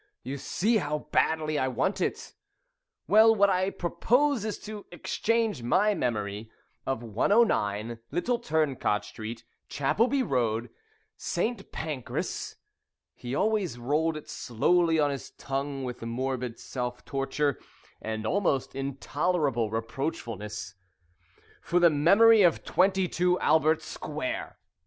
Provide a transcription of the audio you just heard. "You see how badly I want it. Well, what I propose is to exchange my memory of '109, Little Turncot Street, Chapelby Road, St. Pancras'" (he always rolled it slowly on his tongue with morbid self torture and almost intolerable reproachfulness), "for the memory of '22, Albert Square.'"